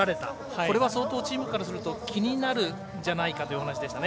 これは相当チームからすると気になるんじゃないかというお話でしたね。